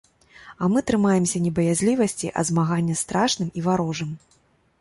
А мы трымаемся не баязлівасці, а змагання з страшным і варожым.